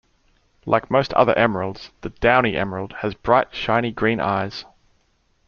Like most other emeralds, the downy emerald has bright shiny green eyes.